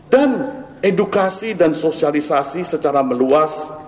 dan edukasi dan sosialisasi secara meluas